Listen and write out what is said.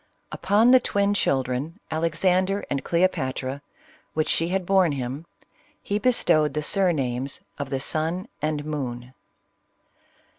Upon the twin children, Alexander and Cleopatra, which she had borne him, he bestowed the surnames of the Suit and Moon.